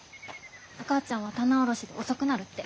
お母ちゃんは棚卸しで遅くなるって。